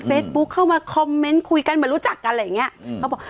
เข้ามาคอมเมนต์คุยกันเหมือนรู้จักกันอะไรอย่างเงี้ยอืมเขาบอก